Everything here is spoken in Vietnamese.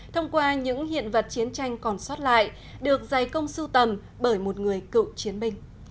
thông qua những hiện vật chiến tranh còn xót lại được giải công sưu tầm bởi một người cựu chiến binh